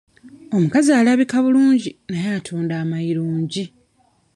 Omukazi alabika bulungi naye atunda mayirungi.